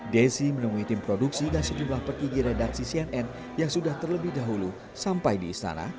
desi menemui tim produksi dan sejumlah petinggi redaksi cnn yang sudah terlebih dahulu sampai di istana